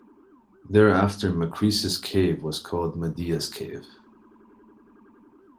Thereafter Macris's cave was called "Medea's Cave".